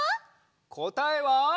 こたえは。